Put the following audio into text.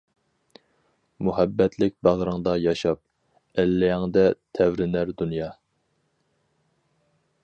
مۇھەببەتلىك باغرىڭدا ياشاپ، ئەللىيىڭدە تەۋرىنەر دۇنيا.